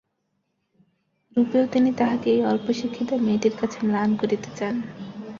রূপেও তিনি তাহাকে এই অল্পশিক্ষিতা মেয়েটির কাছে ম্লান করিতে চান।